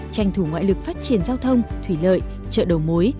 tranh thủ ngoại lực phát triển giao thông thủy lợi chợ đầu mối